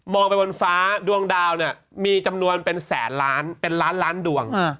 ไปบนฟ้าดวงดาวเนี่ยมีจำนวนเป็นแสนล้านเป็นล้านล้านดวง